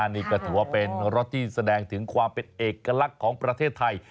นี่ก็ถือว่าเป็นรถที่แสดงถึงความเป็นเอกลักษณ์ของประเทศไทย